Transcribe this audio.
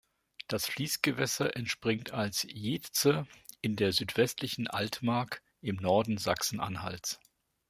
Das Fließgewässer entspringt als "Jeetze" in der südwestlichen Altmark im Norden Sachsen-Anhalts.